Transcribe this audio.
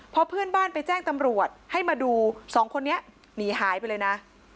พอเพื่อนบ้านไปแจ้งตำรวจให้มาดูสองคนนี้หนีหายไปเลยนะ